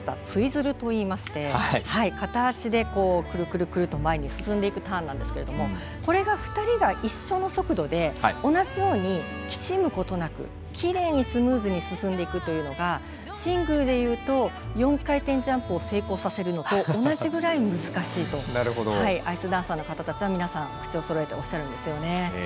ツイズルといいまして片足でくるくるくると前に進んでいくターンなんですがこれが２人が一緒の速度で同じようにきしむことなくきれいにスムーズに進んでいくというのがシングルでいうと４回転ジャンプを成功させるのと同じくらい難しいとアイスダンサーの方たちは皆さん、口をそろえておっしゃるんですね。